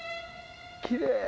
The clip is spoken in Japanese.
きれい！